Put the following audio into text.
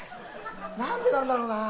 なんでなんだろうなあ